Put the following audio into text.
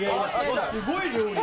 すごい、料理。